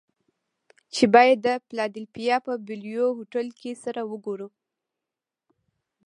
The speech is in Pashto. چې بايد د فلادلفيا په بلوويو هوټل کې سره وګوري.